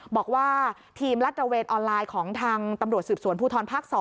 บอกว่าทีมลัดระเวนออนไลน์ของทางตำรวจสืบสวนภูทรภาค๒